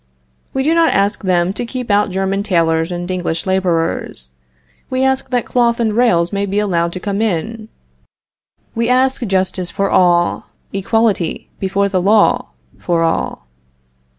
We do not ask them to keep out German tailors and English laborers. We ask that cloth and rails may be allowed to come in. We ask justice for all, equality before the law for all.